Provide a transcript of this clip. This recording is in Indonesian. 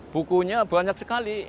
bukunya banyak sekali